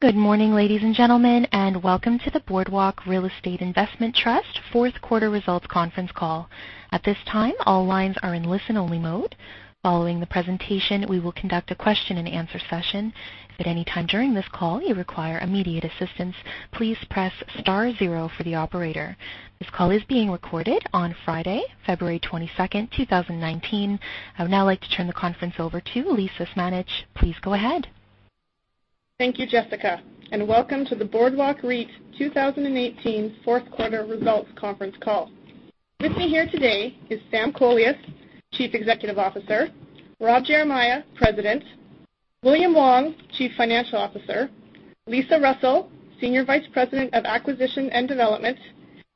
Good morning, ladies and gentlemen, and welcome to the Boardwalk Real Estate Investment Trust Q4 results conference call. At this time, all lines are in listen-only mode. Following the presentation, we will conduct a question-and-answer session. If at any time during this call you require immediate assistance, please press star zero for the operator. This call is being recorded on Friday, February 22nd, 2019. I would now like to turn the conference over to Lisa Zmanich. Please go ahead. Thank you, Jessica, and welcome to the Boardwalk REIT 2018 Q4 results conference call. With me here today is Sam Kolias, Chief Executive Officer, Rob Geremia, President, William Wong, Chief Financial Officer, Lisa Russell, Senior Vice President of Acquisition and Development,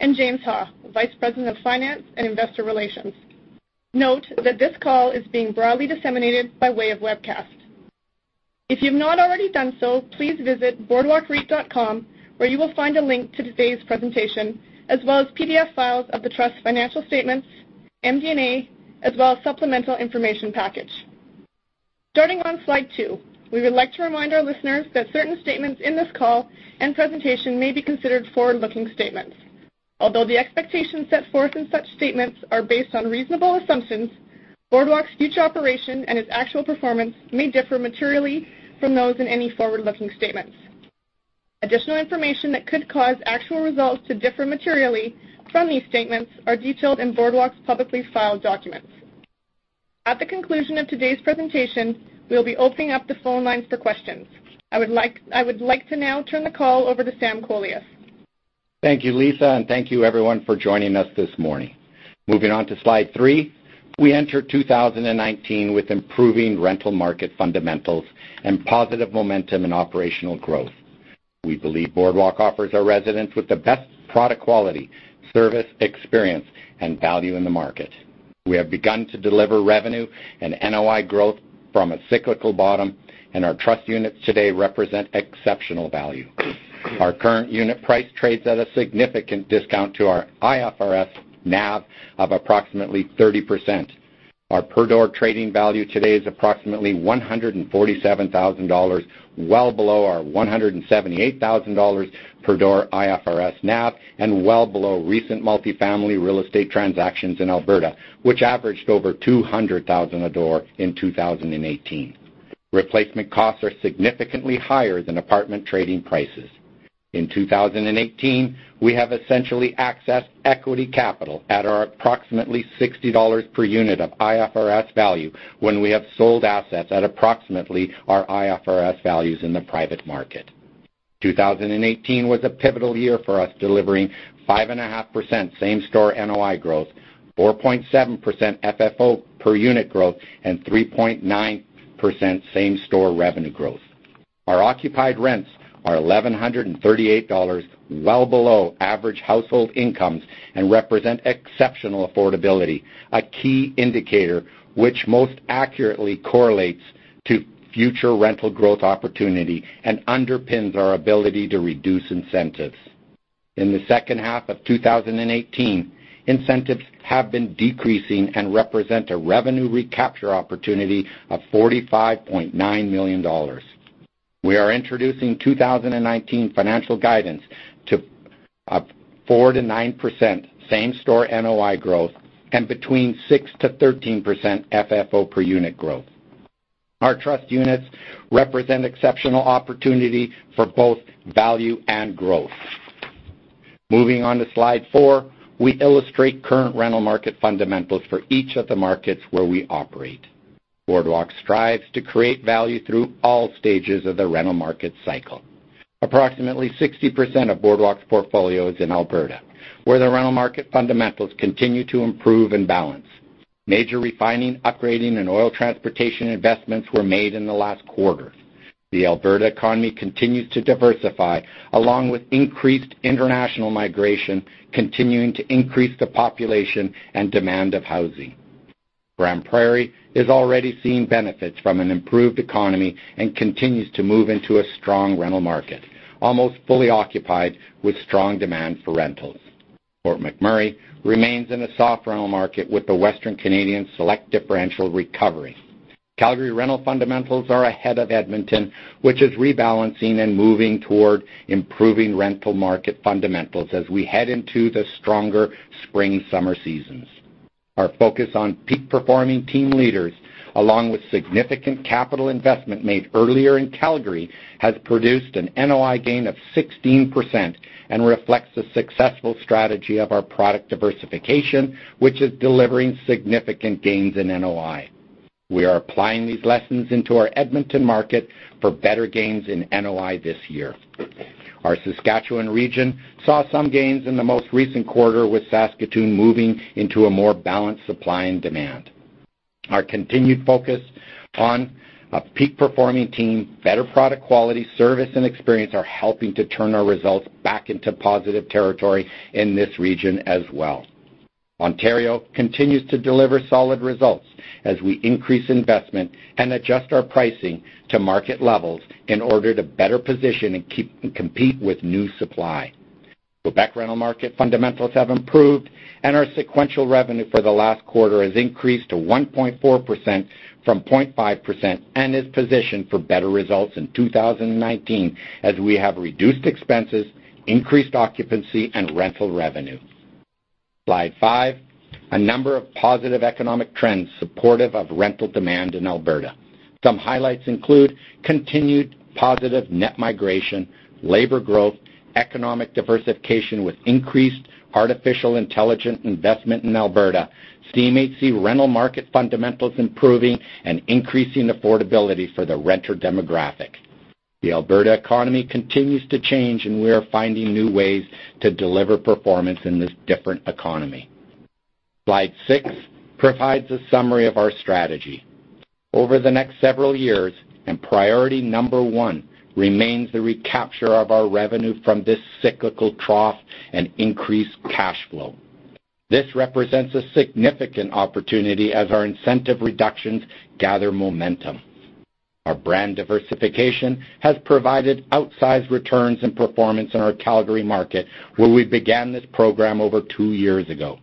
and James Ha, Vice President of Finance and Investor Relations. Note that this call is being broadly disseminated by way of webcast. If you've not already done so, please visit boardwalkreit.com where you will find a link to today's presentation, as well as PDF files of the trust financial statements, MD&A, as well as supplemental information package. Starting on slide two, we would like to remind our listeners that certain statements in this call and presentation may be considered forward-looking statements. Although the expectations set forth in such statements are based on reasonable assumptions, Boardwalk's future operation and its actual performance may differ materially from those in any forward-looking statements. Additional information that could cause actual results to differ materially from these statements are detailed in Boardwalk's publicly filed documents. At the conclusion of today's presentation, we will be opening up the phone lines for questions. I would like to now turn the call over to Sam Kolias. Thank you, Lisa, and thank you everyone for joining us this morning. Moving on to slide three, we enter 2019 with improving rental market fundamentals and positive momentum in operational growth. We believe Boardwalk offers our residents with the best product quality, service, experience, and value in the market. We have begun to deliver revenue and NOI growth from a cyclical bottom, and our trust units today represent exceptional value. Our current unit price trades at a significant discount to our IFRS NAV of approximately 30%. Our per-door trading value today is approximately 147,000 dollars, well below our 178,000 dollars per door IFRS NAV, and well below recent multi-family real estate transactions in Alberta, which averaged over 200,000 a door in 2018. Replacement costs are significantly higher than apartment trading prices. In 2018, we have essentially accessed equity capital at our approximately 60 dollars per unit of IFRS value when we have sold assets at approximately our IFRS values in the private market. 2018 was a pivotal year for us, delivering 5.5% same-store NOI growth, 4.7% FFO per unit growth, and 3.9% same-store revenue growth. Our occupied rents are 1,138 dollars, well below average household incomes, and represent exceptional affordability, a key indicator which most accurately correlates to future rental growth opportunity and underpins our ability to reduce incentives. In the H2 of 2018, incentives have been decreasing and represent a revenue recapture opportunity of 45.9 million dollars. We are introducing 2019 financial guidance of 4%-9% same-store NOI growth and between 6%-13% FFO per unit growth. Our trust units represent exceptional opportunity for both value and growth. Moving on to slide four, we illustrate current rental market fundamentals for each of the markets where we operate. Boardwalk strives to create value through all stages of the rental market cycle. Approximately 60% of Boardwalk's portfolio is in Alberta, where the rental market fundamentals continue to improve and balance. Major refining, upgrading, and oil transportation investments were made in the last quarter. The Alberta economy continues to diversify, along with increased international migration continuing to increase the population and demand of housing. Grande Prairie is already seeing benefits from an improved economy and continues to move into a strong rental market, almost fully occupied with strong demand for rentals. Fort McMurray remains in a soft rental market with the Western Canadian Select differential recovery. Calgary rental fundamentals are ahead of Edmonton, which is rebalancing and moving toward improving rental market fundamentals as we head into the stronger spring, summer seasons. Our focus on peak-performing team leaders, along with significant capital investment made earlier in Calgary, has produced an NOI gain of 16% and reflects the successful strategy of our product diversification, which is delivering significant gains in NOI. We are applying these lessons into our Edmonton market for better gains in NOI this year. Our Saskatchewan region saw some gains in the most recent quarter, with Saskatoon moving into a more balanced supply and demand. Our continued focus on a peak-performing team, better product quality, service, and experience are helping to turn our results back into positive territory in this region as well. Ontario continues to deliver solid results as we increase investment and adjust our pricing to market levels in order to better position and compete with new supply. Quebec rental market fundamentals have improved, our sequential revenue for the last quarter has increased to 1.4% from 0.5% and is positioned for better results in 2019 as we have reduced expenses, increased occupancy, and rental revenue. Slide five, a number of positive economic trends supportive of rental demand in Alberta. Some highlights include continued positive net migration, labor growth, economic diversification with increased artificial intelligent investment in Alberta, CMHC rental market fundamentals improving, and increasing affordability for the renter demographic. The Alberta economy continues to change, we are finding new ways to deliver performance in this different economy. Slide six provides a summary of our strategy. Over the next several years, priority number one remains the recapture of our revenue from this cyclical trough and increase cash flow. This represents a significant opportunity as our incentive reductions gather momentum. Our brand diversification has provided outsized returns and performance in our Calgary market, where we began this program over two years ago.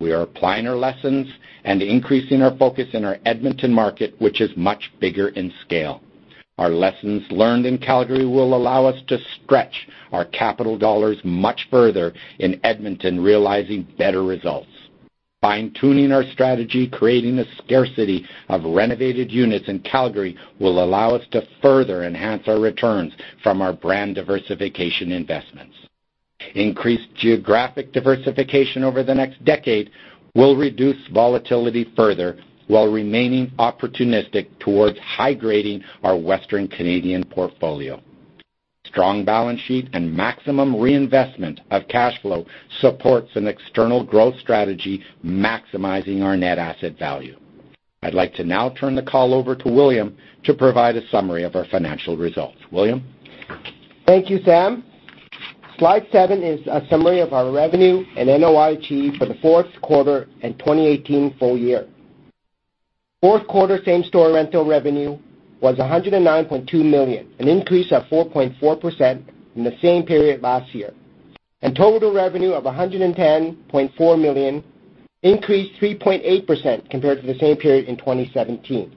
We are applying our lessons and increasing our focus in our Edmonton market, which is much bigger in scale. Our lessons learned in Calgary will allow us to stretch our capital dollars much further in Edmonton, realizing better results. Fine-tuning our strategy, creating a scarcity of renovated units in Calgary will allow us to further enhance our returns from our brand diversification investments. Increased geographic diversification over the next decade will reduce volatility further while remaining opportunistic towards high-grading our Western Canadian portfolio. Strong balance sheet and maximum reinvestment of cash flow supports an external growth strategy, maximizing our net asset value. I'd like to now turn the call over to William to provide a summary of our financial results. William? Thank you, Sam. Slide seven is a summary of our revenue and NOI achieved for the Q4 and 2018 full year. Q4 same-store rental revenue was 109.2 million, an increase of 4.4% from the same period last year. Total revenue of 110.4 million increased 3.8% compared to the same period in 2017.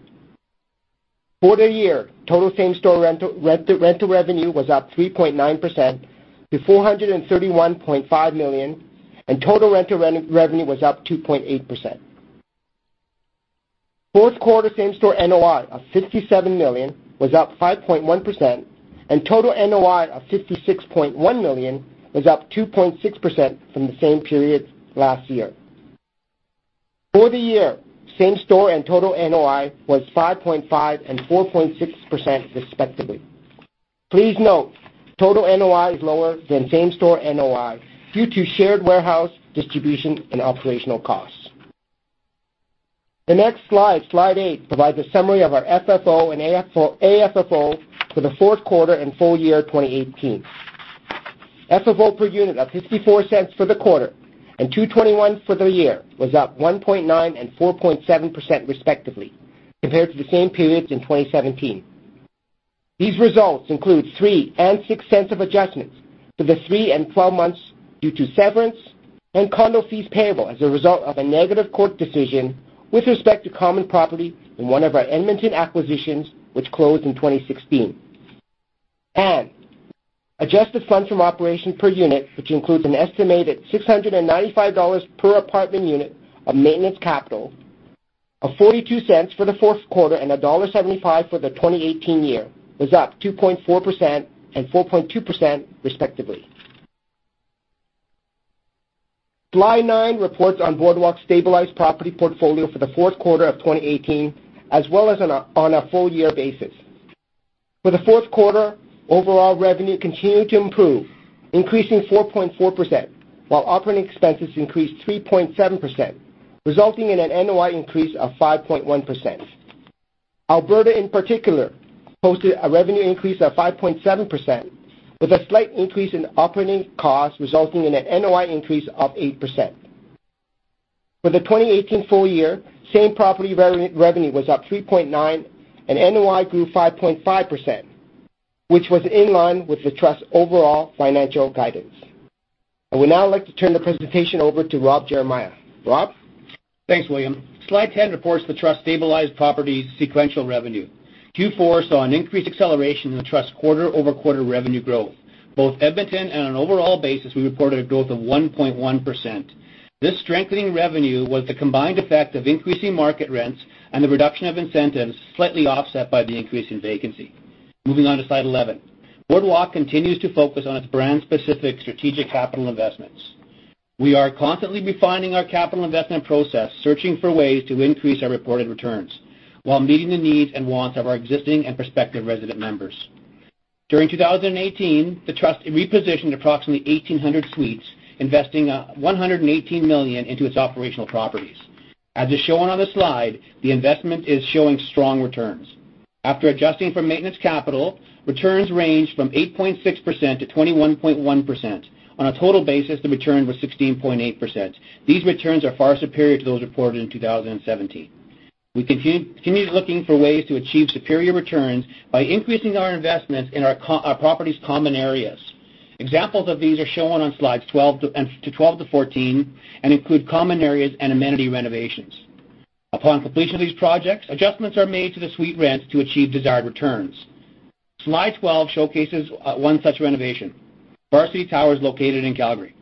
For the year, total same-store rental revenue was up 3.9% to 331.5 million, and total rental revenue was up 2.8%. Q4 same-store NOI of 57 million was up 5.1%, and total NOI of 56.1 million was up 2.6% from the same period last year. For the year, same-store and total NOI was 5.5% and 4.6%, respectively. Please note, total NOI is lower than same-store NOI due to shared warehouse distribution and operational costs. The next Slide eight, provides a summary of our FFO and AFFO for the Q4 and full year 2018. FFO per unit of 0.54 for the quarter and 2.21 for the year was up 1.9% and 4.7%, respectively, compared to the same periods in 2017. These results include 0.03 and 0.06 of adjustments for the three and 12 months due to severance and condo fees payable as a result of a negative court decision with respect to common property in one of our Edmonton acquisitions, which closed in 2016. Adjusted funds from operation per unit, which includes an estimated 695 dollars per apartment unit of maintenance capital of 0.42 for the Q4 and dollar 1.75 for the 2018 year, was up 2.4% and 4.2%, respectively. Slide nine reports on Boardwalk's stabilized property portfolio for the Q4 of 2018, as well as on a full year basis. For the Q4, overall revenue continued to improve, increasing 4.4%, while operating expenses increased 3.7%, resulting in an NOI increase of 5.1%. Alberta, in particular, posted a revenue increase of 5.7%, with a slight increase in operating costs, resulting in an NOI increase of 8%. For the 2018 full year, same-property revenue was up 3.9%, and NOI grew 5.5%, which was in line with the trust's overall financial guidance. I would now like to turn the presentation over to Rob Geremia. Rob? Thanks, William. Slide 10 reports the trust stabilized property sequential revenue. Q4 saw an increased acceleration in the trust quarter-over-quarter revenue growth. Both Edmonton and on an overall basis, we reported a growth of 1.1%. This strengthening revenue was the combined effect of increasing market rents and the reduction of incentives, slightly offset by the increase in vacancy. Moving on to slide 11. Boardwalk continues to focus on its brand-specific strategic capital investments. We are constantly refining our capital investment process, searching for ways to increase our reported returns while meeting the needs and wants of our existing and prospective resident members. During 2018, the trust repositioned approximately 1,800 suites, investing 118 million into its operational properties. As is shown on the slide, the investment is showing strong returns. After adjusting for maintenance capital, returns range from 8.6%-21.1%. On a total basis, the return was 16.8%. These returns are far superior to those reported in 2017. We continue looking for ways to achieve superior returns by increasing our investments in our properties' common areas. Examples of these are shown on Slides 12-14, and include common areas and amenity renovations. Upon completion of these projects, adjustments are made to the suite rents to achieve desired returns. Slide 12 showcases one such renovation, Varsity Towers, located in Calgary.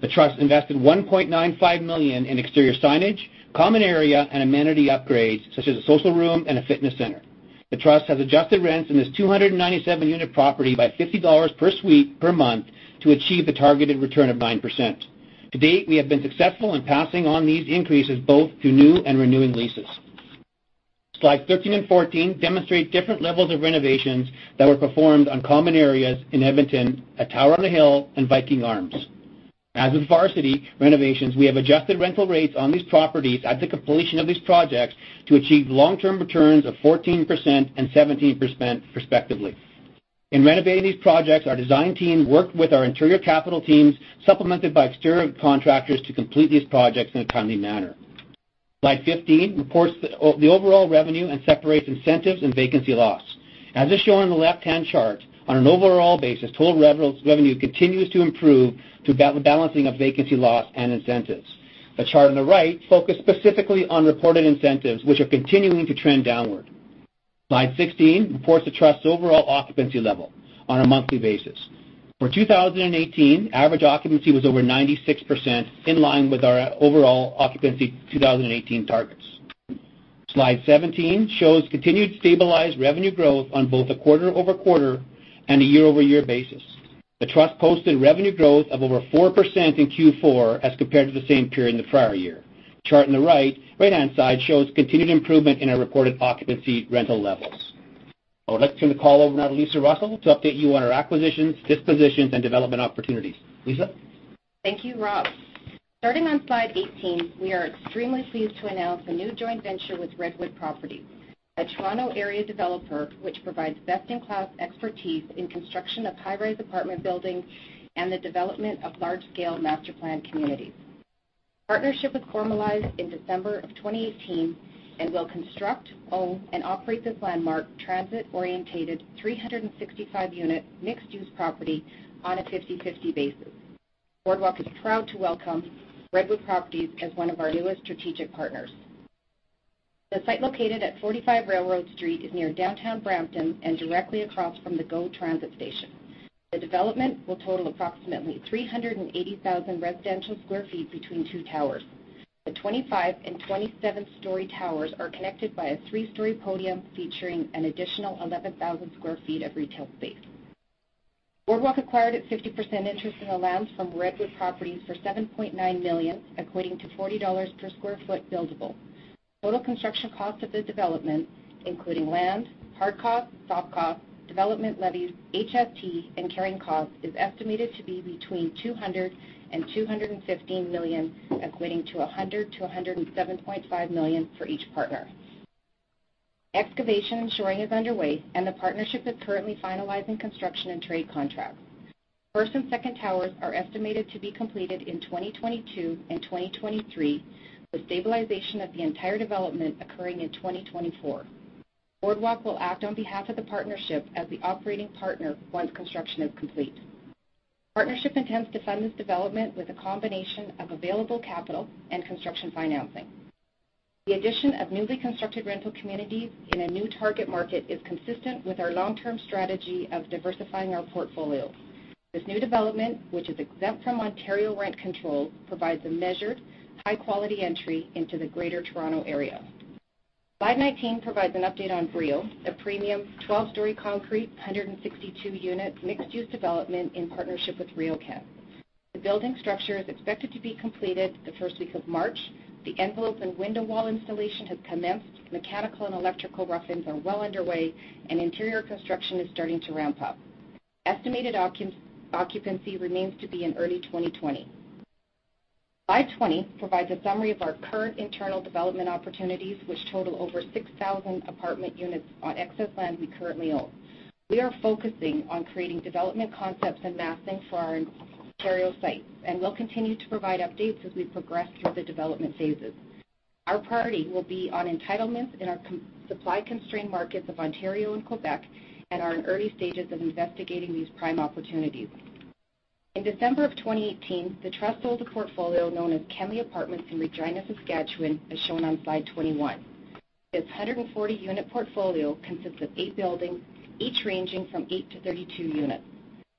The trust invested 1.95 million in exterior signage, common area, and amenity upgrades, such as a social room and a fitness center. The trust has adjusted rents in this 297-unit property by 50 dollars per suite, per month to achieve the targeted return of 9%. To-date, we have been successful in passing on these increases both through new and renewing leases. Slides 13 and 14 demonstrate different levels of renovations that were performed on common areas in Edmonton at Tower on the Hill and Viking Arms. As with Varsity renovations, we have adjusted rental rates on these properties at the completion of these projects to achieve long-term returns of 14% and 17%, respectively. In renovating these projects, our design team worked with our interior capital teams, supplemented by exterior contractors to complete these projects in a timely manner. Slide 15 reports the overall revenue and separates incentives and vacancy loss. As is shown on the left-hand chart, on an overall basis, total revenue continues to improve through balancing of vacancy loss and incentives. The chart on the right focus specifically on reported incentives, which are continuing to trend downward. Slide 16 reports the trust's overall occupancy level on a monthly basis. For 2018, average occupancy was over 96%, in line with our overall occupancy 2018 targets. Slide 17 shows continued stabilized revenue growth on both a quarter-over-quarter and a year-over-year basis. The trust posted revenue growth of over 4% in Q4 as compared to the same period in the prior year. Chart on the right-hand side shows continued improvement in our reported occupancy rental levels. I would like to turn the call over now to Lisa Russell to update you on our acquisitions, dispositions, and development opportunities. Lisa? Thank you, Rob. Starting on Slide 18, we are extremely pleased to announce a new joint venture with Redwood Properties, a Toronto area developer which provides best-in-class expertise in construction of high-rise apartment buildings and the development of large-scale master planned communities. Partnership was formalized in December of 2018 and will construct, own, and operate this landmark transit-oriented 365-unit mixed-use property on a 50/50 basis. Boardwalk is proud to welcome Redwood Properties as one of our newest strategic partners. The site located at 45 Railroad Street is near downtown Brampton and directly across from the GO Transit station. The development will total approximately 380,000 residential sq ft between two towers. The 25 and 27-story towers are connected by a three-story podium, featuring an additional 11,000 sq ft of retail space. Boardwalk acquired a 50% interest in the land from Redwood Properties for 7.9 million, equating to 40 dollars per sq ft buildable. Total construction cost of the development, including land, hard cost, soft cost, development levies, HST, and carrying cost, is estimated to be between 200 million and 215 million, equating to 100 million-107.5 million for each partner. Excavation and shoring is underway, and the partnership is currently finalizing construction and trade contracts. First and second towers are estimated to be completed in 2022 and 2023, with stabilization of the entire development occurring in 2024. Boardwalk will act on behalf of the partnership as the operating partner once construction is complete. Partnership intends to fund this development with a combination of available capital and construction financing. The addition of newly constructed rental communities in a new target market is consistent with our long-term strategy of diversifying our portfolio. This new development, which is exempt from Ontario rent control, provides a measured, high-quality entry into the Greater Toronto Area. Slide 19 provides an update on Brio, a premium 12-story concrete, 162 units mixed-use development in partnership with RioCan. The building structure is expected to be completed the first week of March. The envelope and window wall installation has commenced. Mechanical and electrical rough-ins are well underway, interior construction is starting to ramp up. Estimated occupancy remains to be in early 2020. Slide 20 provides a summary of our current internal development opportunities, which total over 6,000 apartment units on excess land we currently own. We are focusing on creating development concepts and mapping for our Ontario sites, we'll continue to provide updates as we progress through the development phases. Our priority will be on entitlements in our supply-constrained markets of Ontario and Quebec, are in early stages of investigating these prime opportunities. In December of 2018, the trust sold a portfolio known as Kemme Apartments in Regina, Saskatchewan, as shown on Slide 21. This 140-unit portfolio consists of eight buildings, each ranging from eight-32 units.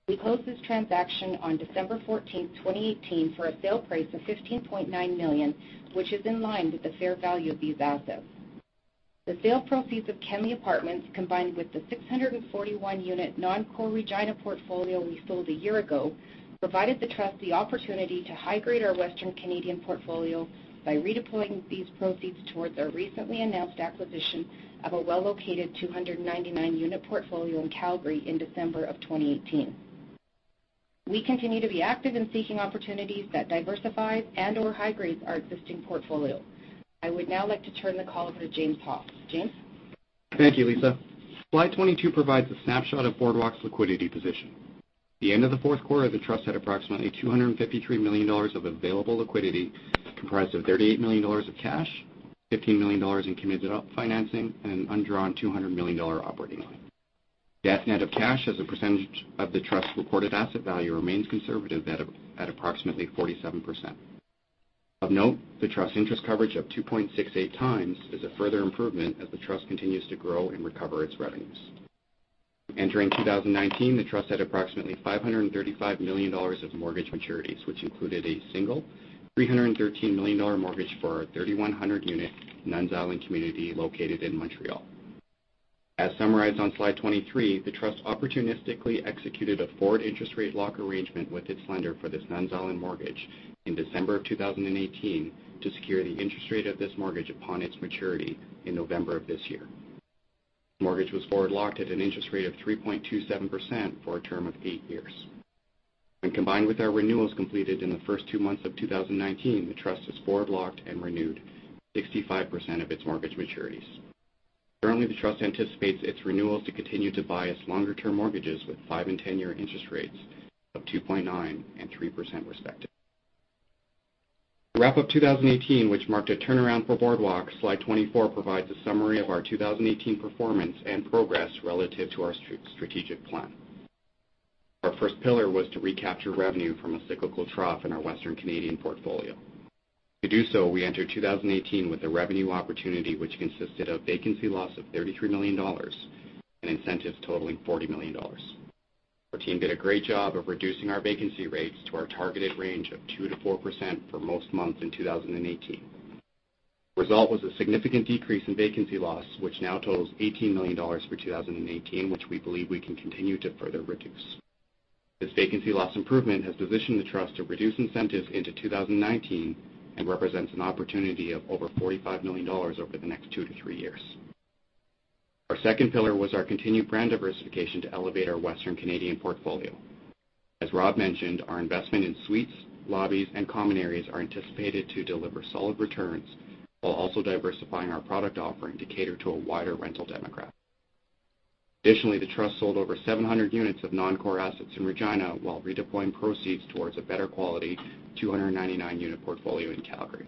We closed this transaction on December 14th, 2018, for a sale price of 15.9 million, which is in line with the fair value of these assets. The sale proceeds of Kemme Apartments, combined with the 641-unit non-core Regina portfolio we sold a year ago, provided the trust the opportunity to high-grade our Western Canadian portfolio by redeploying these proceeds towards our recently announced acquisition of a well-located 299-unit portfolio in Calgary in December of 2018. We continue to be active in seeking opportunities that diversify and/or high-grade our existing portfolio. I would now like to turn the call over to James Ha. James? Thank you, Lisa. Slide 22 provides a snapshot of Boardwalk's liquidity position. At the end of the Q4, the trust had approximately 253 million dollars of available liquidity, comprised of 38 million dollars of cash, 15 million dollars in committed financing, and an undrawn 200 million dollar operating line. The net of cash as a percentage of the trust's reported asset value remains conservative at approximately 47%. Of note, the trust interest coverage of 2.68x is a further improvement as the trust continues to grow and recover its revenues. Entering 2019, the trust had approximately 535 million dollars of mortgage maturities, which included a single 313 million dollar mortgage for our 3,100-unit Nuns' Island community located in Montreal. As summarized on Slide 23, the trust opportunistically executed a forward interest rate lock arrangement with its lender for this Nuns' Island mortgage in December of 2018 to secure the interest rate of this mortgage upon its maturity in November of this year. The mortgage was forward locked at an interest rate of 3.27% for a term of eight years. When combined with our renewals completed in the first two months of 2019, the trust has forward locked and renewed 65% of its mortgage maturities. Currently, the trust anticipates its renewals to continue to bias longer-term mortgages with five and 10-year interest rates of 2.9% and 3%, respectively. Wrap up 2018, which marked a turnaround for Boardwalk, slide 24 provides a summary of our 2018 performance and progress relative to our strategic plan. Our first pillar was to recapture revenue from a cyclical trough in our Western Canadian portfolio. Do so, we entered 2018 with a revenue opportunity, which consisted of vacancy loss of 33 million dollars and incentives totaling 40 million dollars. Our team did a great job of reducing our vacancy rates to our targeted range of 2%-4% for most months in 2018. The result was a significant decrease in vacancy loss, which now totals 18 million dollars for 2018, which we believe we can continue to further reduce. This vacancy loss improvement has positioned the trust to reduce incentives into 2019 and represents an opportunity of over 45 million dollars over the next two to three years. Our second pillar was our continued brand diversification to elevate our Western Canadian portfolio. As Rob mentioned, our investment in suites, lobbies, and common areas are anticipated to deliver solid returns, while also diversifying our product offering to cater to a wider rental demographic. Additionally, the trust sold over 700 units of non-core assets in Regina while redeploying proceeds towards a better-quality 299-unit portfolio in Calgary.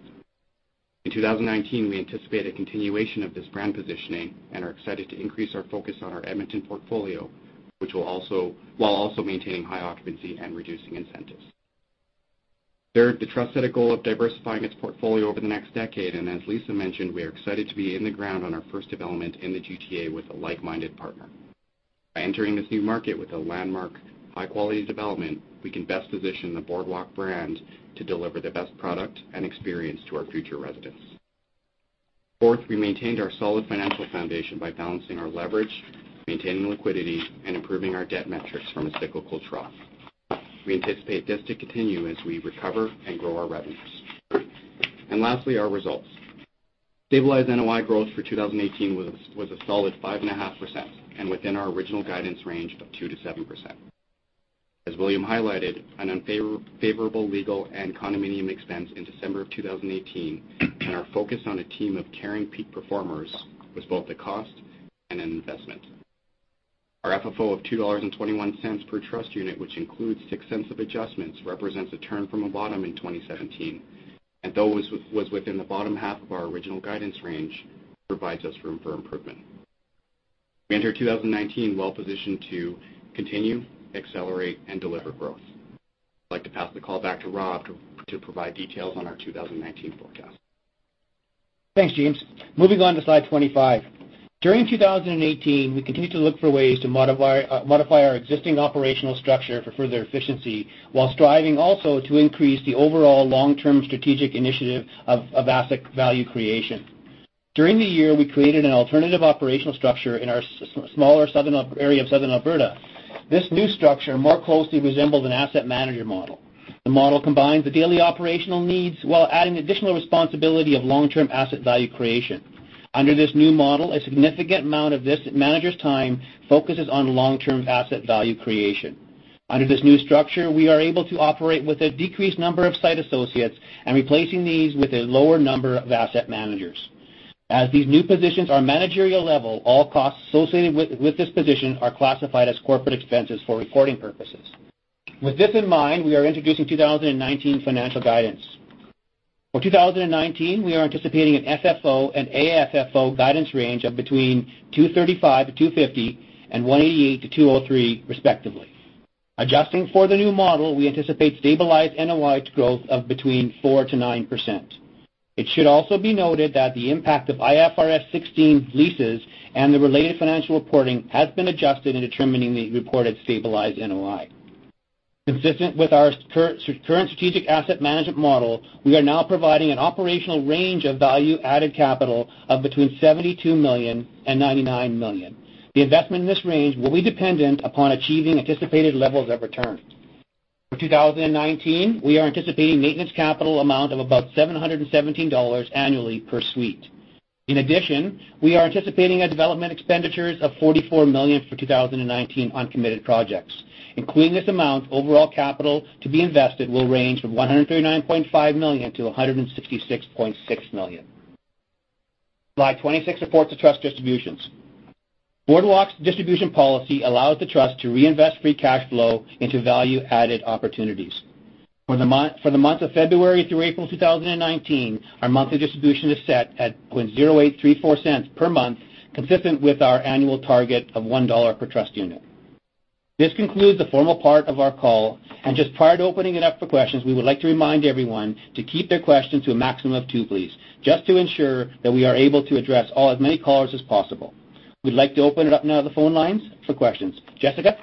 In 2019, we anticipate a continuation of this brand positioning and are excited to increase our focus on our Edmonton portfolio, while also maintaining high occupancy and reducing incentives. Third, the trust set a goal of diversifying its portfolio over the next decade, as Lisa mentioned, we are excited to be in the ground on our first development in the GTA with a like-minded partner. By entering this new market with a landmark, high-quality development, we can best position the Boardwalk brand to deliver the best product and experience to our future residents. Fourth, we maintained our solid financial foundation by balancing our leverage, maintaining liquidity, and improving our debt metrics from a cyclical trough. We anticipate this to continue as we recover and grow our revenues. Lastly, our results. Stabilized NOI growth for 2018 was a solid 5.5%, within our original guidance range of 2%-7%. As William highlighted, an unfavorable legal and condominium expense in December of 2018, our focus on a team of caring peak performers, was both a cost and an investment. Our FFO of 2.21 dollars per trust unit, which includes 0.06 of adjustments, represents a turn from a bottom in 2017, though was within the bottom half of our original guidance range, provides us room for improvement. We enter 2019 well-positioned to continue, accelerate, and deliver growth. I'd like to pass the call back to Rob to provide details on our 2019 forecast. Thanks, James. Moving on to Slide 25. During 2018, we continued to look for ways to modify our existing operational structure for further efficiency, while striving also to increase the overall long-term strategic initiative of asset value creation. During the year, we created an alternative operational structure in our smaller area of Southern Alberta. This new structure more closely resembles an asset manager model. The model combines the daily operational needs while adding additional responsibility of long-term asset value creation. Under this new model, a significant amount of this manager's time focuses on long-term asset value creation. Under this new structure, we are able to operate with a decreased number of site associates and replacing these with a lower number of asset managers. As these new positions are managerial level, all costs associated with this position are classified as corporate expenses for reporting purposes. With this in mind, we are introducing 2019 financial guidance. For 2019, we are anticipating an FFO and AFFO guidance range of between 235-250, and 188-203, respectively. Adjusting for the new model, we anticipate stabilized NOI growth of between 4%-9%. It should also be noted that the impact of IFRS 16 leases and the related financial reporting has been adjusted in determining the reported stabilized NOI. Consistent with our current strategic asset management model, we are now providing an operational range of value added capital of between 72 million and 99 million. The investment in this range will be dependent upon achieving anticipated levels of return. For 2019, we are anticipating maintenance capital amount of about 717 dollars annually per suite. In addition, we are anticipating a development expenditure of 44 million for 2019 on committed projects. Including this amount, overall capital to be invested will range from 139.5 million-166.6 million. Slide 26, report to trust distributions. Boardwalk's distribution policy allows the trust to reinvest free cash flow into value-added opportunities. For the month of February through April 2019, our monthly distribution is set at 0.0834 per month, consistent with our annual target of 1 dollar per trust unit. This concludes the formal part of our call, and just prior to opening it up for questions, we would like to remind everyone to keep their questions to a maximum of two, please, just to ensure that we are able to address as many callers as possible. We'd like to open it up now to the phone lines for questions. Jessica?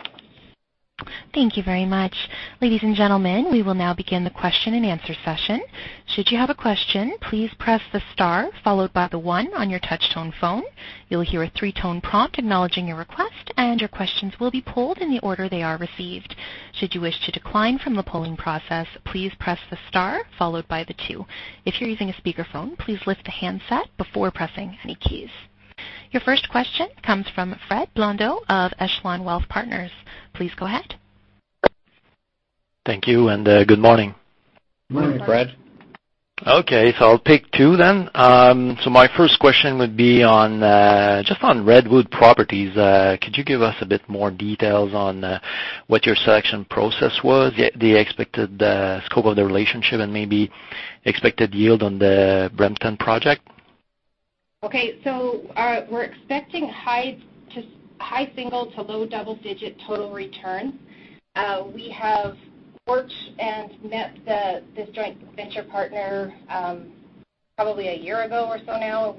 Thank you very much. Ladies and gentlemen, we will now begin the question-and-answer session. Should you have a question, please press the star followed by the one on your touch-tone phone. You'll hear a three-tone prompt acknowledging your request, and your questions will be pooled in the order they are received. Should you wish to decline from the polling process, please press the star followed by the two. If you're using a speakerphone, please lift the handset before pressing any keys. Your first question comes from Frederic Blondeau of Echelon Wealth Partners. Please go ahead. Thank you. Good morning. Morning, Frederic Blondeau. Okay. I'll take two then. My first question would be just on Redwood Properties. Could you give us a bit more details on what your selection process was, the expected scope of the relationship, and maybe expected yield on the Brampton project? Okay. We're expecting high single to low double-digit total return. We have worked and met this joint venture partner probably a year ago or so now.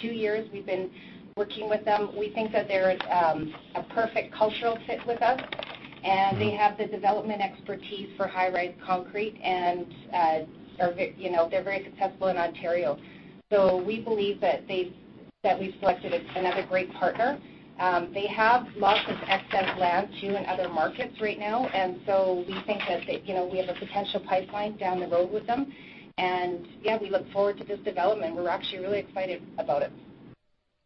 Two years we've been working with them. We think that they're a perfect cultural fit with us, they have the development expertise for high-rise concrete, and they're very successful in Ontario. We believe that we've selected another great partner. They have lots of excess land too, in other markets right now, we think that we have a potential pipeline down the road with them. Yeah, we look forward to this development. We're actually really excited about it.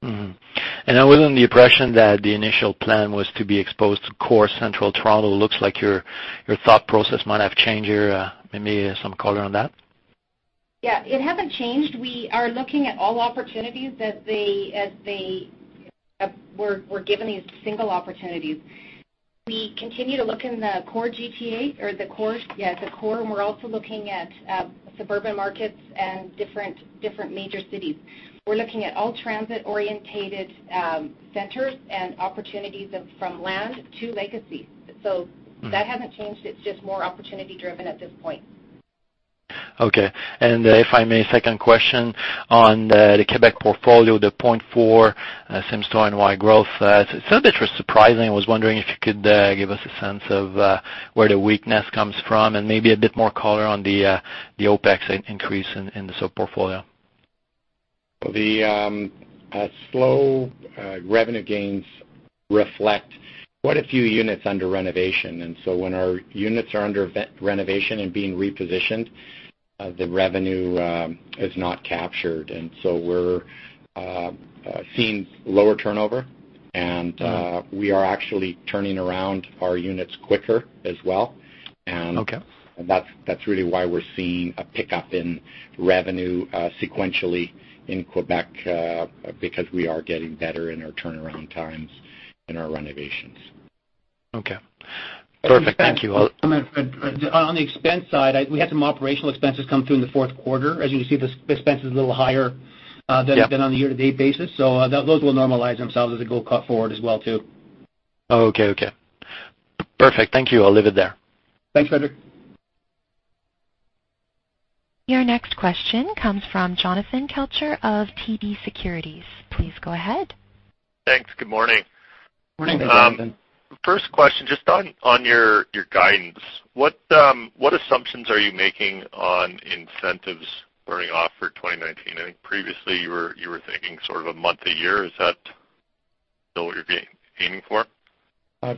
I was under the impression that the initial plan was to be exposed to core central Toronto. Looks like your thought process might have changed here. Maybe some color on that? It hasn't changed. We are looking at all opportunities as we're given these single opportunities. We continue to look in the core GTA or the core. We're also looking at suburban markets and different major cities. We're looking at all transit-oriented centers and opportunities from land to legacy. That hasn't changed. It's just more opportunity-driven at this point. If I may, second question on the Quebec portfolio, the 0.4 same-store NOI growth. It's a little bit surprising. I was wondering if you could give us a sense of where the weakness comes from and maybe a bit more color on the OpEx increase in the sub-portfolio. The slow revenue gains reflect quite a few units under renovation. When our units are under renovation and being repositioned, the revenue is not captured. We're seeing lower turnover, and we are actually turning around our units quicker as well. Okay. That's really why we're seeing a pickup in revenue sequentially in Quebec, because we are getting better in our turnaround times in our renovations. Okay. Perfect. Thank you. On the expense side, we had some operational expenses come through in the Q4. As you can see, the expense is a little higher. Yeah than on a year-to-date basis. Those will normalize themselves as we go forward as well, too. Okay. Perfect. Thank you. I'll leave it there. Thanks, Frederic Blondeau. Your next question comes from Jonathan Kelcher of TD Securities. Please go ahead. Thanks. Good morning. Morning, Jonathan Kelcher. First question, just on your guidance, what assumptions are you making on incentives wearing off for 2019? I think previously you were thinking sort of a month, a year. Is that still what you're aiming for?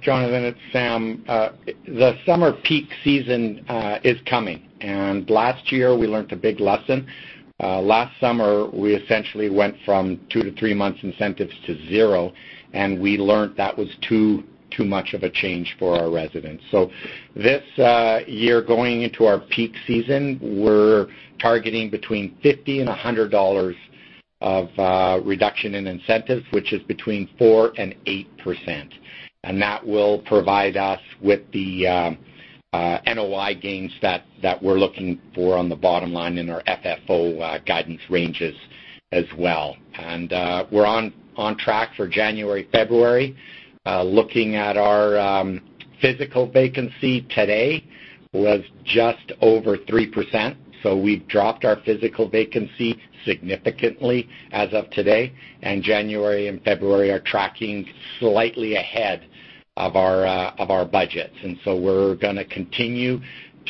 Jonathan, it's Sam. The summer peak season is coming. Last year we learned a big lesson. Last summer, we essentially went from two-three months incentives to zero, we learned that was too much of a change for our residents. This year, going into our peak season, we're targeting between 50 and 100 dollars of reduction in incentives, which is between 4% and 8%. That will provide us with the NOI gains that we're looking for on the bottom line in our FFO guidance ranges as well. We're on track for January, February. Looking at our physical vacancy today was just over 3%, so we've dropped our physical vacancy significantly as of today. January and February are tracking slightly ahead of our budgets. We're gonna continue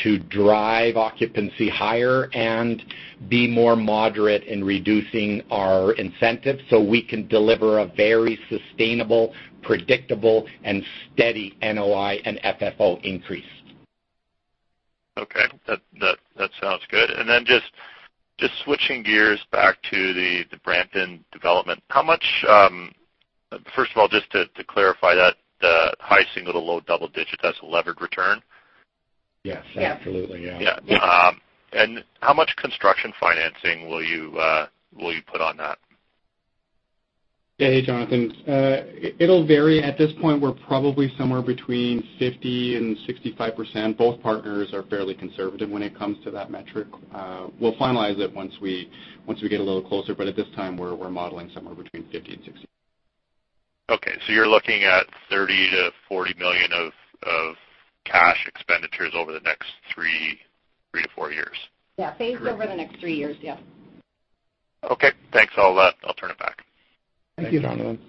to drive occupancy higher and be more moderate in reducing our incentives so we can deliver a very sustainable, predictable, and steady NOI and FFO increase. Okay. That sounds good. Then just switching gears back to the Brampton development. First of all, just to clarify that the high single to low double digit, that's a levered return? Yes, absolutely. Yeah. Yeah. Yeah. How much construction financing will you put on that? Hey, Jonathan Kelcher. It'll vary. At this point, we're probably somewhere between 50% and 65%. Both partners are fairly conservative when it comes to that metric. We'll finalize it once we get a little closer, but at this time, we're modeling somewhere between 50% and 60%. Okay. You're looking at 30 million-40 million of cash expenditures over the next three-four years? Yeah. Correct. Phased over the next three years. Yeah. Okay. Thanks. I'll turn it back. Thank you. Thank you, Jonathan Kelcher.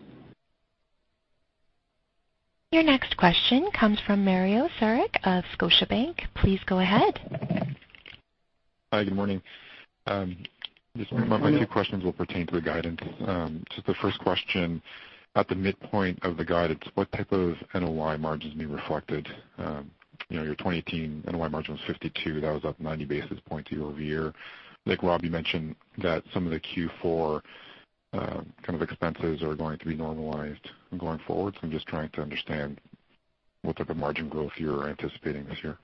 Your next question comes from Mario Saric of Scotiabank. Please go ahead. Hi. Good morning. Good morning. My two questions will pertain to the guidance. The first question, at the midpoint of the guidance, what type of NOI margin is being reflected? Your 2018 NOI margin was 52%. That was up 90 basis points year-over-year. I think Rob, you mentioned that some of the Q4 expenses are going to be normalized going forward. I'm just trying to understand what type of margin growth you're anticipating this year.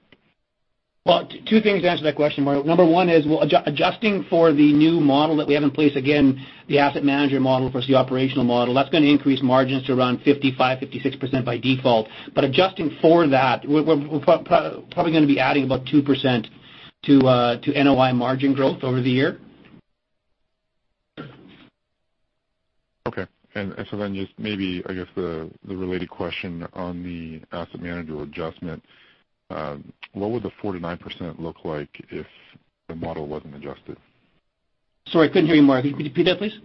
Two things to answer that question, Mario. Number one is, adjusting for the new model that we have in place, again, the asset manager model versus the operational model. That's going to increase margins to around 55%, 56% by default. Adjusting for that, we're probably going to be adding about 2% to NOI margin growth over the year. Maybe, I guess, the related question on the asset manager adjustment. What would the 4%-9% look like if the model wasn't adjusted? Sorry, couldn't hear you, Mario. Could you repeat that, please?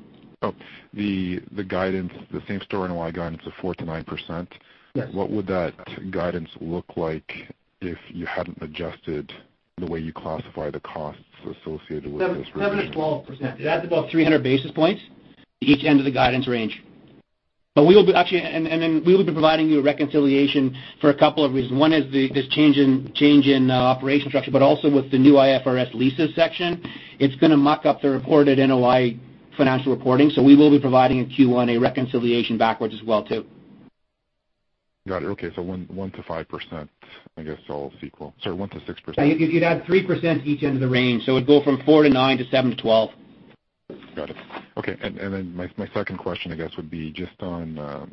Oh, the guidance, the same store NOI guidance of 4%-9%. Yes. What would that guidance look like if you hadn't adjusted the way you classify the costs associated with this? 7%-12%. It adds about 300 basis points to each end of the guidance range. We will be providing you a reconciliation for a couple of reasons. One is this change in operation structure. Also with the new IFRS leases section, it's going to muck up the reported NOI financial reporting. We will be providing in Q1 a reconciliation backwards as well, too. Got it. Okay. 1%-5%, I guess, all is equal. Sorry, 1%-6%. You'd add 3% to each end of the range. It'd go from 4%-9% to 7%-12%. Got it. Okay. My second question, I guess, would be just on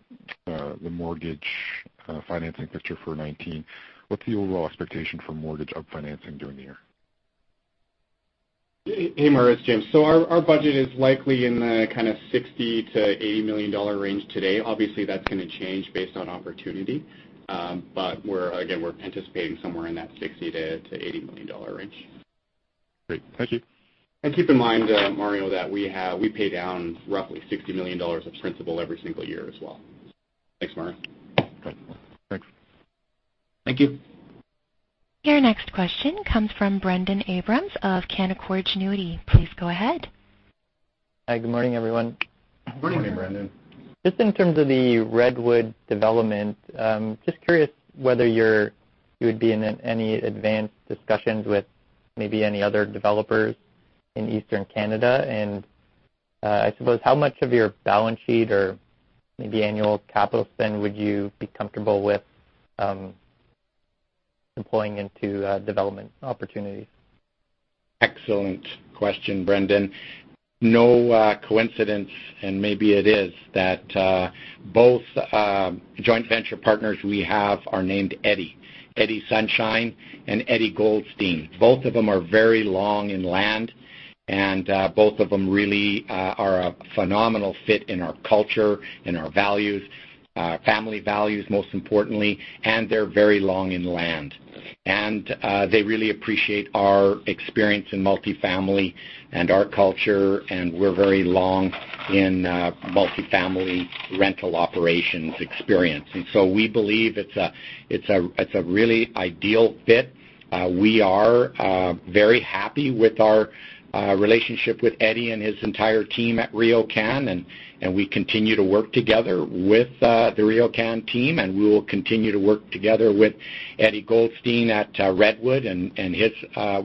the mortgage financing picture for 2019. What's the overall expectation for mortgage up financing during the year? Hey, Mario. It's James. Our budget is likely in the kind of 60 million-80 million dollar range today. Obviously, that's going to change based on opportunity. Again, we're anticipating somewhere in that 60 million-80 million dollar range. Great. Thank you. Keep in mind, Mario, that we pay down roughly 60 million dollars of principal every single year as well. Thanks, Mario. Great. Thanks. Thank you. Your next question comes from Brendon Abrams of Canaccord Genuity. Please go ahead. Hi. Good morning, everyone. Good morning. Good morning, Brendon. Just in terms of the Redwood development, just curious whether you would be in any advanced discussions with maybe any other developers in Eastern Canada. I suppose how much of your balance sheet or maybe annual capital spend would you be comfortable with employing into development opportunities? Excellent question, Brendon. No coincidence, and maybe it is, that both joint venture partners we have are named Eddie. Eddie Sunshine and Eddie Goldstein. Both of them are very long in land, and both of them really are a phenomenal fit in our culture and our values. Family values, most importantly, and they're very long in land. They really appreciate our experience in multifamily and our culture, and we're very long in multifamily rental operations experience. We believe it's a really ideal fit. We are very happy with our relationship with Eddie and his entire team at RioCan, and we continue to work together with the RioCan team, and we will continue to work together with Eddie Goldstein at Redwood, and his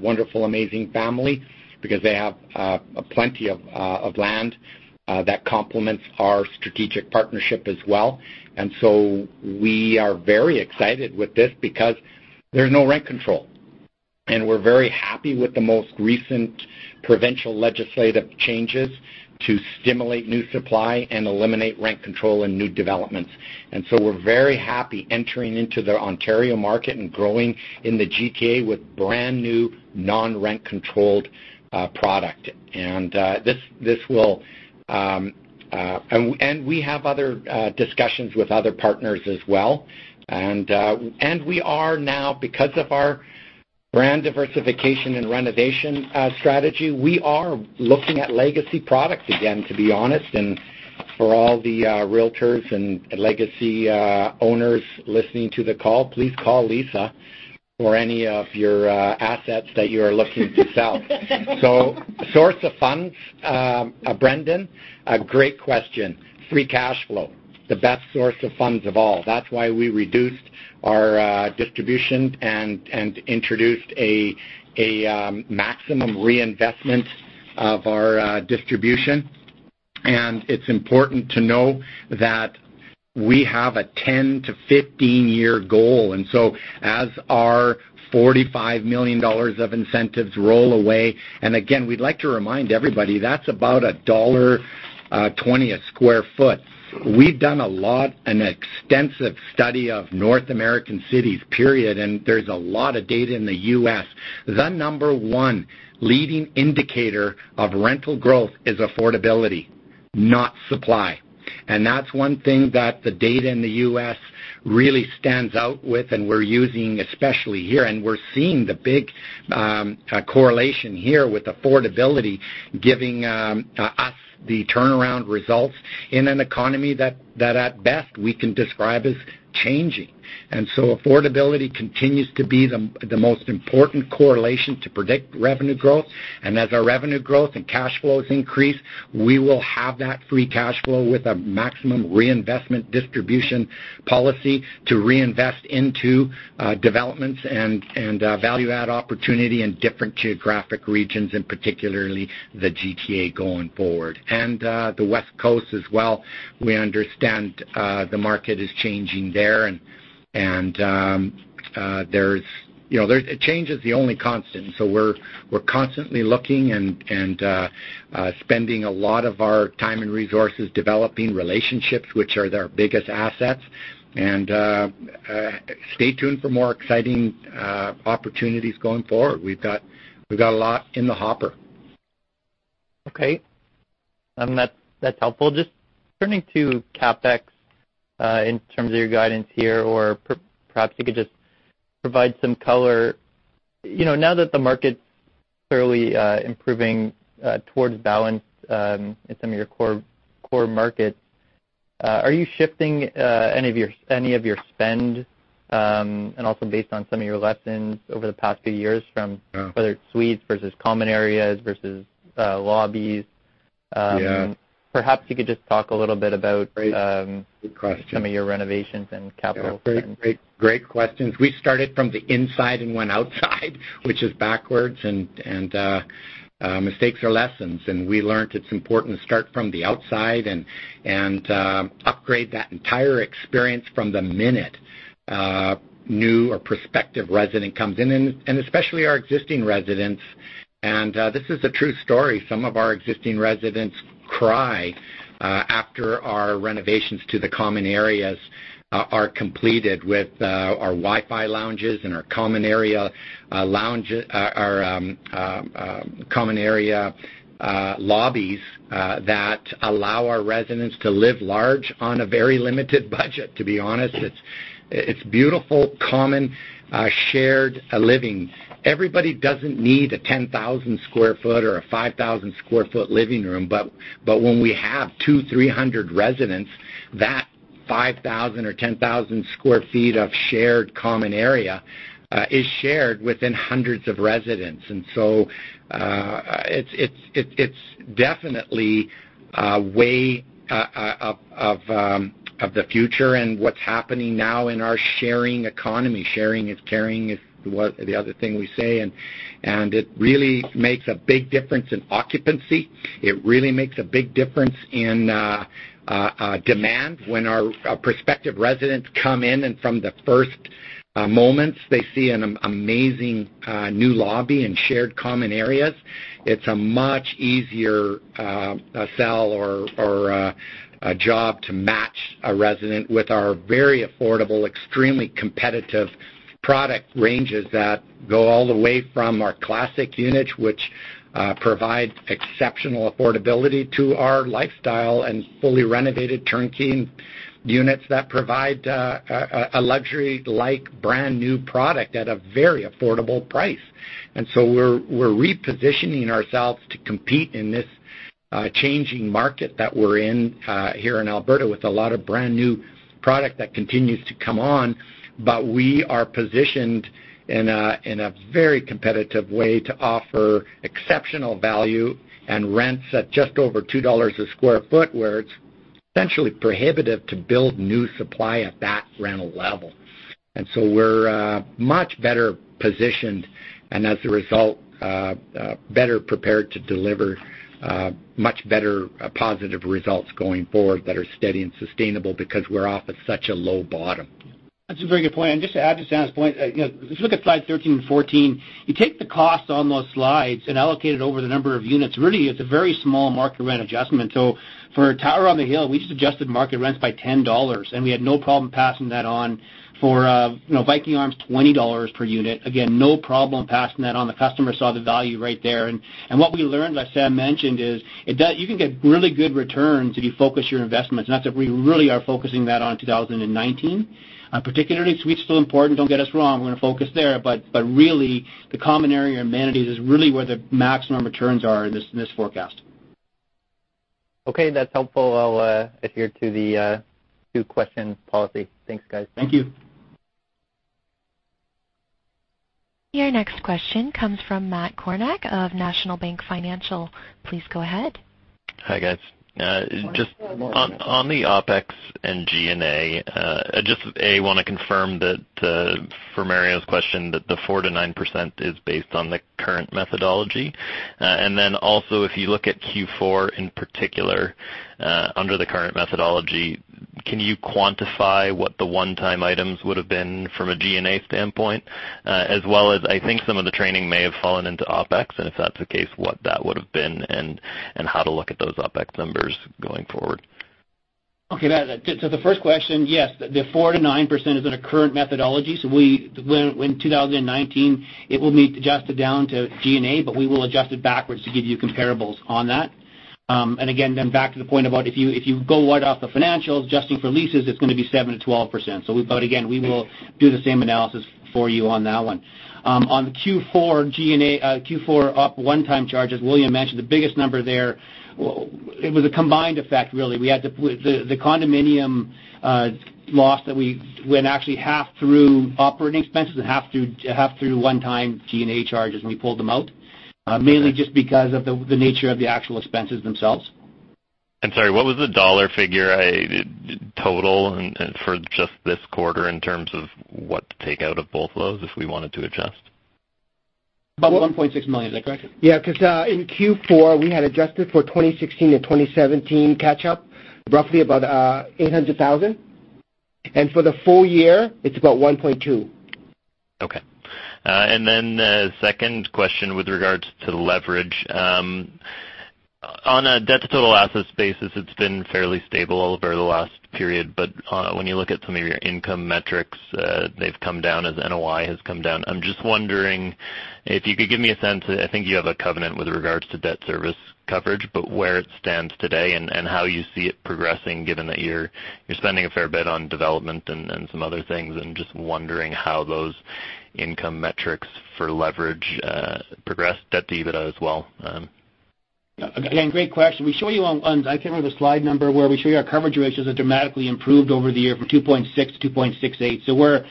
wonderful, amazing family, because they have plenty of land that complements our strategic partnership as well. We are very excited with this because there's no rent control. We're very happy with the most recent provincial legislative changes to stimulate new supply and eliminate rent control in new developments. We're very happy entering into the Ontario market and growing in the GTA with brand-new non-rent-controlled product. We have other discussions with other partners as well. We are now, because of our brand diversification and renovation strategy, we are looking at legacy products again, to be honest. For all the realtors and legacy owners listening to the call, please call Lisa for any of your assets that you are looking to sell. Source of funds, Brendon, a great question. Free cash flow, the best source of funds of all. That's why we reduced our distribution and introduced a maximum reinvestment of our distribution. It's important to know that we have a 10 to 15-year goal. As our 45 million dollars of incentives roll away, and again, we'd like to remind everybody, that's about CAD 1.20 a sq ft. We've done an extensive study of North American cities, period. There's a lot of data in the U.S. The number one leading indicator of rental growth is affordability, not supply. That's one thing that the data in the U.S. really stands out with, and we're using especially here, and we're seeing the big correlation here with affordability giving us the turnaround results in an economy that at best we can describe as changing. Affordability continues to be the most important correlation to predict revenue growth. As our revenue growth and cash flows increase, we will have that free cash flow with a maximum reinvestment distribution policy to reinvest into developments and value add opportunity in different geographic regions, and particularly the GTA going forward. The West Coast as well, we understand the market is changing there and change is the only constant. We're constantly looking and spending a lot of our time and resources developing relationships, which are their biggest assets. Stay tuned for more exciting opportunities going forward. We've got a lot in the hopper. Okay. That's helpful. Just turning to CapEx, in terms of your guidance here, or perhaps you could just provide some color. Now that the market's clearly improving towards balance in some of your core markets, are you shifting any of your spend? Also based on some of your lessons over the past few years from- Yeah whether it's suites versus common areas versus lobbies- Yeah perhaps you could just talk a little bit about- Great question. some of your renovations and capital. Great questions. We started from the inside and went outside, which is backwards, mistakes are lessons. We learned it's important to start from the outside and upgrade that entire experience from the minute a new or prospective resident comes in. Especially our existing residents, this is a true story. Some of our existing residents cry after our renovations to the common areas are completed with our Wi-Fi lounges and our common area lobbies that allow our residents to live large on a very limited budget, to be honest. It's beautiful, common, shared living. Everybody doesn't need a 10,000 sq ft or a 5,000 sq ft living room, but when we have 200, 300 residents, that 5,000 or 10,000 sq ft of shared common area is shared within hundreds of residents. It's definitely a way of the future and what's happening now in our sharing economy. Sharing is caring, is the other thing we say, it really makes a big difference in occupancy. It really makes a big difference in demand when our prospective residents come in, from the first moments, they see an amazing new lobby and shared common areas. It's a much easier sell or a job to match a resident with our very affordable, extremely competitive product ranges that go all the way from our classic units, which provide exceptional affordability to our lifestyle, and fully renovated turnkey units that provide a luxury-like brand new product at a very affordable price. We're repositioning ourselves to compete in this changing market that we're in here in Alberta with a lot of brand new product that continues to come on. We are positioned in a very competitive way to offer exceptional value and rents at just over 2 dollars a sq ft, where it's essentially prohibitive to build new supply at that rental level. We're much better positioned, as a result, better prepared to deliver much better positive results going forward that are steady and sustainable because we're off at such a low bottom. That is a very good point. Just to add to Sam's point, if you look at Slide 13 and 14, you take the cost on those slides and allocate it over the number of units. Really, it is a very small market rent adjustment. For Tower on the Hill, we just adjusted market rents by 10 dollars, and we had no problem passing that on. For Viking Arms, 20 dollars per unit. Again, no problem passing that on. The customer saw the value right there. What we learned, as Sam mentioned, is you can get really good returns if you focus your investments, and that is what we really are focusing that on 2019. Particularly, suites still important, do not get us wrong. We are going to focus there, really, the common area amenities is really where the maximum returns are in this forecast. Okay, that is helpful. I will adhere to the two-question policy. Thanks, guys. Thank you. Your next question comes from Matt Kornack of National Bank Financial. Please go ahead. Hi, guys. Morning. Morning. On the OpEx and G&A, want to confirm that for Mario's question that the 4%-9% is based on the current methodology. Also, if you look at Q4 in particular, under the current methodology. Can you quantify what the one-time items would have been from a G&A standpoint? As well as, I think some of the training may have fallen into OpEx, and if that's the case, what that would've been, and how to look at those OpEx numbers going forward. Okay. To the first question, yes. The 4%-9% is in a current methodology. In 2019, it will be adjusted down to G&A, but we will adjust it backwards to give you comparables on that. Back to the point about if you go right off the financials, adjusting for leases, it's going to be 7%-12%. Again, we will do the same analysis for you on that one. On the Q4 Op one-time charges, William mentioned the biggest number there. It was a combined effect, really. We had the condominium loss that we actually half through operating expenses and half through one-time G&A charges, and we pulled them out. Okay. Mainly just because of the nature of the actual expenses themselves. Sorry, what was the CAD figure total for just this quarter in terms of what to take out of both those if we wanted to adjust? About 1.6 million. Is that correct? Yeah, because in Q4, we had adjusted for 2016 and 2017 catch-up, roughly about 800,000. For the full year, it's about 1.2 million. Okay. Then the second question with regards to the leverage. On a debt-to-total assets basis, it's been fairly stable over the last period. But when you look at some of your income metrics, they've come down as NOI has come down. I'm just wondering if you could give me a sense, I think you have a covenant with regards to debt service coverage, but where it stands today and how you see it progressing given that you're spending a fair bit on development and some other things. I'm just wondering how those income metrics for leverage progress debt-to-EBITDA as well. Again, great question. I can't remember the slide number where we show you our coverage ratios have dramatically improved over the year from 2.6-2.68. As we're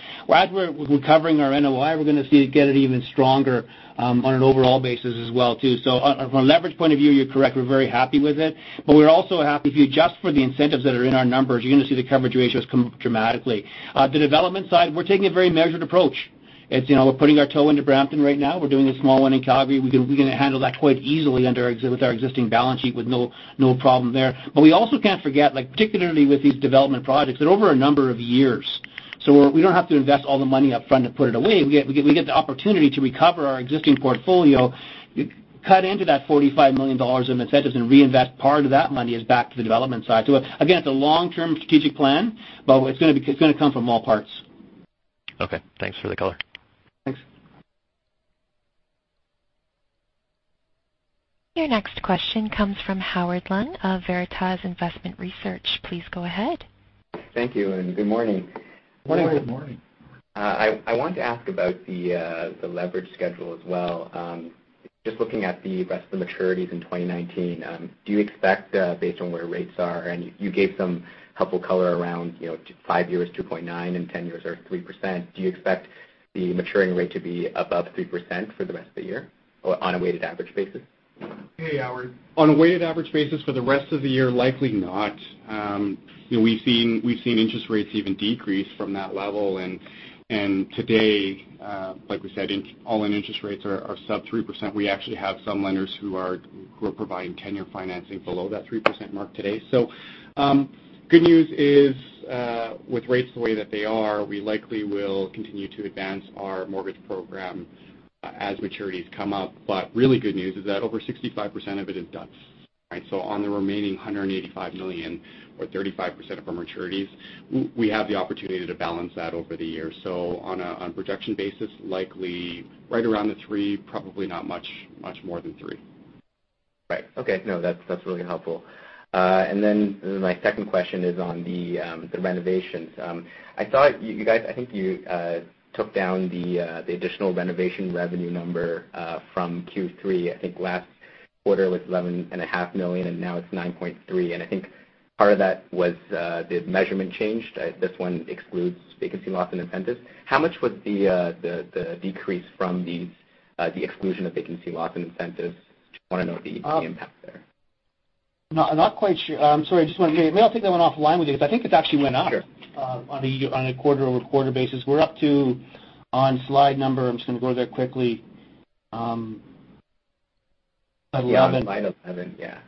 recovering our NOI, we're going to see it get even stronger on an overall basis as well, too. From a leverage point of view, you're correct. We're very happy with it. We're also happy if you adjust for the incentives that are in our numbers, you're going to see the coverage ratios come up dramatically. The development side, we're taking a very measured approach. We're putting our toe into Brampton right now. We're doing a small one in Calgary. We can handle that quite easily with our existing balance sheet with no problem there. We also can't forget, particularly with these development projects, they're over a number of years. We don't have to invest all the money up front and put it away. We get the opportunity to recover our existing portfolio, cut into that 45 million dollars in incentives, and reinvest part of that money is back to the development side. Again, it's a long-term strategic plan, but it's going to come from all parts. Okay, thanks for the color. Thanks. Your next question comes from Howard Leung of Veritas Investment Research. Please go ahead. Thank you, and good morning. Morning. Good morning. I want to ask about the leverage schedule as well. Just looking at the rest of the maturities in 2019. Do you expect, based on where rates are, and you gave some helpful color around five years, 2.9% and 10 years are 3%? Do you expect the maturing rate to be above 3% for the rest of the year or on a weighted average basis? Hey, Howard. On a weighted average basis for the rest of the year, likely not. We've seen interest rates even decrease from that level. Today, like we said, all-in interest rates are sub 3%. We actually have some lenders who are providing tenure financing below that 3% mark today. Good news is with rates the way that they are, we likely will continue to advance our mortgage program as maturities come up. But really good news is that over 65% of it is done. On the remaining 185 million or 35% of our maturities, we have the opportunity to balance that over the year. On a projection basis, likely right around the 3%, probably not much more than 3%. Right. Okay. No, that's really helpful. My second question is on the renovations. I saw you guys, I think you took down the additional renovation revenue number from Q3. I think last quarter was 11.5 million, and now it's 9.3 million. I think part of that was the measurement changed. This one excludes vacancy loss and incentives. How much would the decrease from the exclusion of vacancy loss and incentives? Just want to know the impact there. I'm not quite sure. I'm sorry. I may not think that went offline with you. Sure on a quarter-over-quarter basis. We're up to, on slide number, I'm just going to go there quickly. 11. Yeah, on Slide 11. Yeah.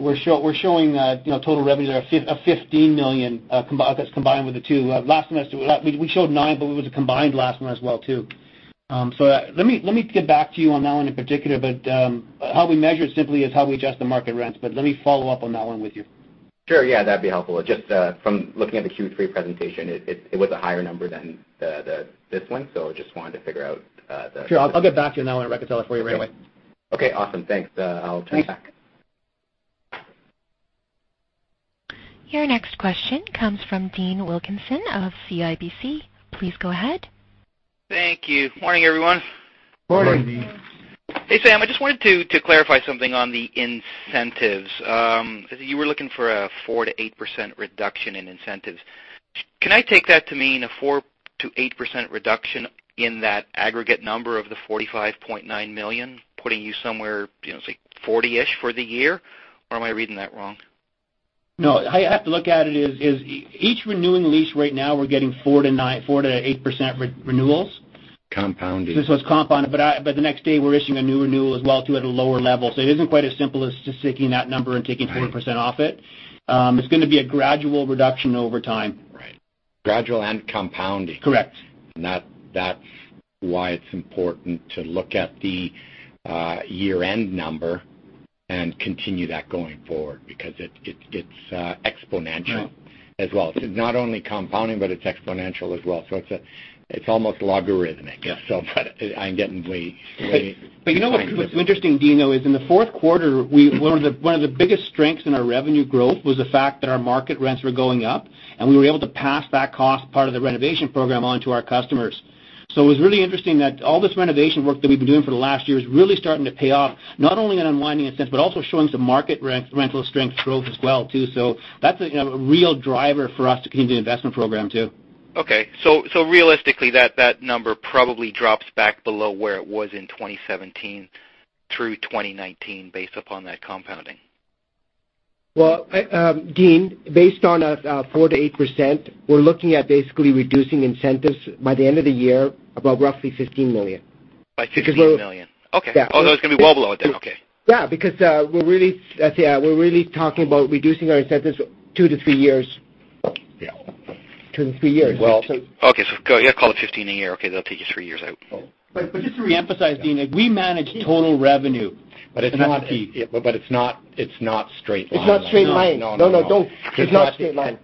We're showing total revenues are 15 million. That's combined with the two. Last semester, we showed nine, but it was a combined last one as well, too. Let me get back to you on that one in particular, how we measure it simply is how we adjust the market rents. Let me follow up on that one with you. Sure. Yeah. That'd be helpful. Just from looking at the Q3 presentation, it was a higher number than this one. Just wanted to figure out the- Sure. I'll get back to you on that one and reconcile it for you right away. Okay. Awesome. Thanks. I'll turn it back. Thanks. Your next question comes from Dean Wilkinson of CIBC. Please go ahead. Thank you. Morning, everyone. Morning. Morning. Hey, Sam, I just wanted to clarify something on the incentives. You were looking for a 4%-8% reduction in incentives. Can I take that to mean a 4%-8% reduction in that aggregate number of the 45.9 million, putting you somewhere, say, 40-ish for the year? Am I reading that wrong? No. How you have to look at it is each renewing lease right now, we're getting 4% to 8% renewals. Compounding It's compounded, but the next day, we're issuing a new renewal as well, too, at a lower level. It isn't quite as simple as just taking that number and taking 20% off it. Right. It's going to be a gradual reduction over time. Right. Gradual and compounding. Correct. That's why it's important to look at the year-end number and continue that going forward because it's exponential. Right as well. It's not only compounding, but it's exponential as well, so it's almost logarithmic. Yeah. I'm getting way behind here. You know what? What's interesting, Dean, though, is in the Q4, one of the biggest strengths in our revenue growth was the fact that our market rents were going up, and we were able to pass that cost part of the renovation program on to our customers. It was really interesting that all this renovation work that we've been doing for the last year is really starting to pay off, not only in unwinding incentives but also showing some market rental strength growth as well too. That's a real driver for us to continue the investment program, too. Okay. Realistically, that number probably drops back below where it was in 2017 through 2019 based upon that compounding. Well, Dean, based on a 4%-8%, we're looking at basically reducing incentives by the end of the year, about roughly 15 million. By 15 million. Because we'll- Okay. Yeah. Oh, that's going to be well below it then. Okay. let's say we're really talking about reducing our incentives two to three years. Yeah. Two to three years. call it 15 a year. that'll take you three years out. just to reemphasize, Dean, we manage total revenue. It's not. It's not fee. It's not straight line. It's not straight line. No, no. No, no, don't. It's not straight line.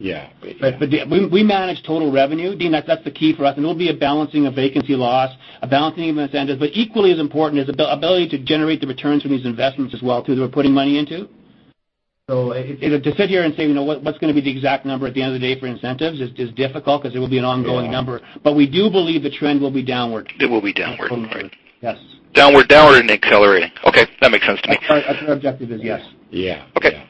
Yeah. yeah. We manage total revenue, Dean. That's the key for us. It'll be a balancing of vacancy loss, a balancing of incentives, but equally as important is the ability to generate the returns from these investments as well, too, that we're putting money into. To sit here and say, "What's going to be the exact number at the end of the day for incentives?" Is difficult because it will be an ongoing number. Yeah. We do believe the trend will be downward. It will be downward. Absolutely. Yes. Downward and accelerating. Okay. That makes sense to me. That's our objective is, yes. Yeah. Okay.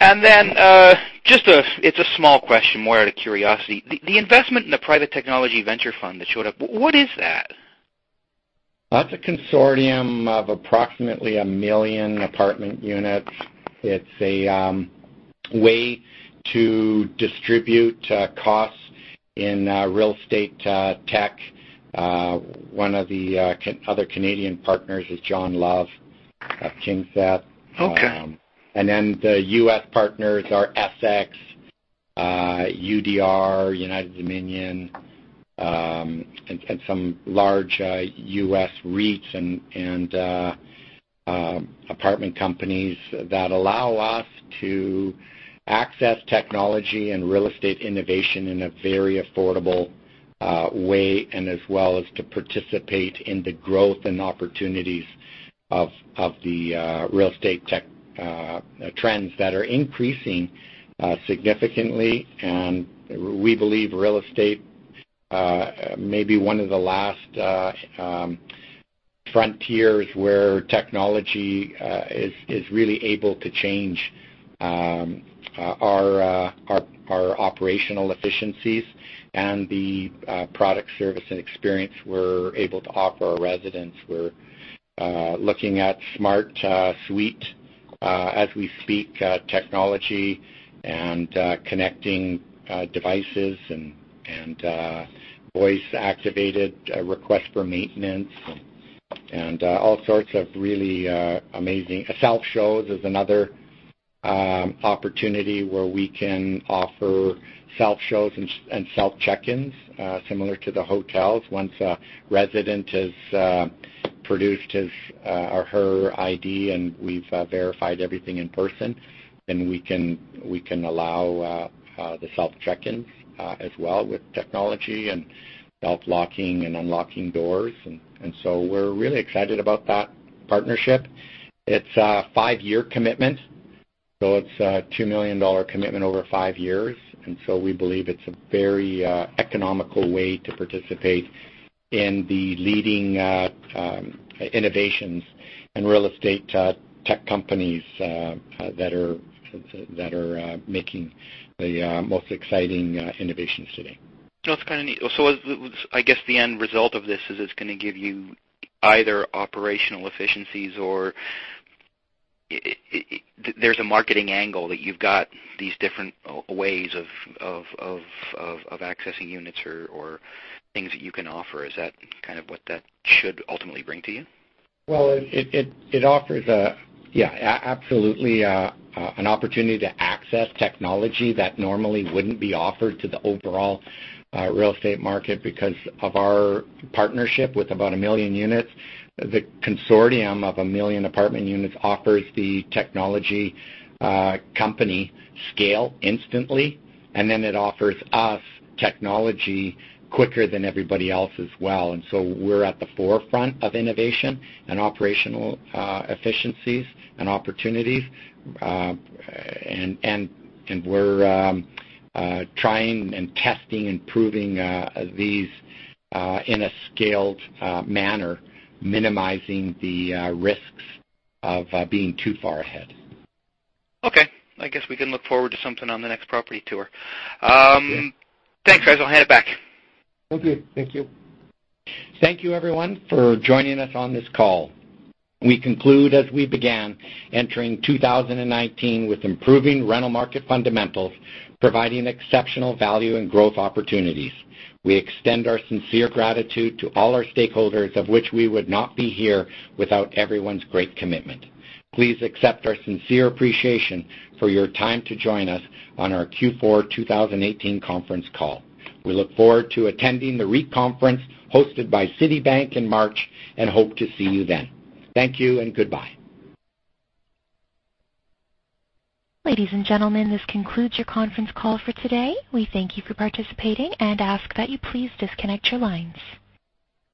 It's a small question, more out of curiosity. The investment in the private technology venture fund that showed up, what is that? That's a consortium of approximately 1 million apartment units. It's a way to distribute costs in real estate tech. One of the other Canadian partners is Jon Love of KingSett. Okay. The U.S. partners are Essex, UDR, United Dominion, and some large U.S. REITs and apartment companies that allow us to access technology and real estate innovation in a very affordable way, as well as to participate in the growth and opportunities of the real estate tech trends that are increasing significantly. We believe real estate may be one of the last frontiers where technology is really able to change our operational efficiencies and the product, service, and experience we're able to offer our residents. We're looking at smart suite as we speak, technology and connecting devices and voice-activated requests for maintenance and all sorts of really amazing self-shows is another opportunity where we can offer self-shows and self-check-ins similar to the hotels. Once a resident has produced his or her ID and we've verified everything in person, then we can allow the self-check-ins as well with technology and self-locking and unlocking doors. We're really excited about that partnership. It's a five-year commitment, so it's a 2 million dollar commitment over five years. We believe it's a very economical way to participate in the leading innovations in real estate tech companies that are making the most exciting innovations today. That's kind of neat. I guess the end result of this is it's going to give you either operational efficiencies or there's a marketing angle that you've got these different ways of accessing units or things that you can offer. Is that kind of what that should ultimately bring to you? Well, it offers a, yeah, absolutely, an opportunity to access technology that normally wouldn't be offered to the overall real estate market because of our partnership with about 1 million units. The consortium of 1 million apartment units offers the technology company scale instantly, then it offers us technology quicker than everybody else as well. We're at the forefront of innovation and operational efficiencies and opportunities. We're trying and testing and proving these in a scaled manner, minimizing the risks of being too far ahead. Okay. I guess we can look forward to something on the next property tour. Yeah. Thanks, guys. I'll hand it back. Thank you. Thank you. Thank you, everyone, for joining us on this call. We conclude as we began, entering 2019 with improving rental market fundamentals, providing exceptional value and growth opportunities. We extend our sincere gratitude to all our stakeholders, of which we would not be here without everyone's great commitment. Please accept our sincere appreciation for your time to join us on our Q4 2018 conference call. We look forward to attending the REIT conference hosted by Citi in March and hope to see you then. Thank you and goodbye. Ladies and gentlemen, this concludes your conference call for today. We thank you for participating and ask that you please disconnect your lines.